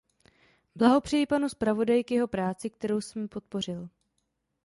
Blahopřeji panu zpravodaji k jeho práci, kterou jsem podpořil.